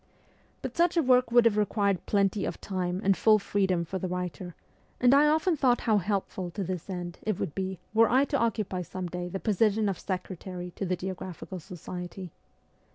But such a work would have required plenty of time and full freedom for the writer, and I often thought how helpful to this end it would be were I to occupy some day the position of secretary to the Geographical Society.